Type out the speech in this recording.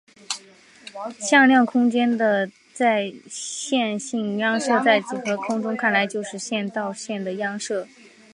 向量空间的线性映射在几何学中看起来就是线到线的映射。